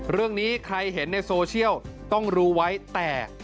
เรื่องนี้ใครเห็นในโซเชียลต้องรู้ไว้แต่